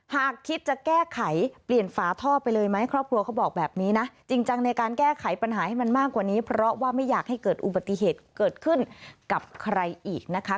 หากคิดจะแก้ไขเปลี่ยนฝาท่อไปเลยไหมครอบครัวเขาบอกแบบนี้นะจริงจังในการแก้ไขปัญหาให้มันมากกว่านี้เพราะว่าไม่อยากให้เกิดอุบัติเหตุเกิดขึ้นกับใครอีกนะคะ